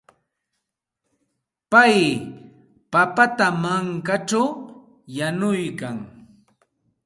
Pay papata mankaćhaw yanuyan.